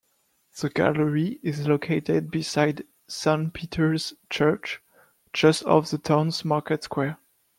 The gallery is located beside Saint Peter's Church, just off the town's market square.